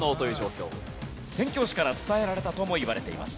宣教師から伝えられたともいわれています。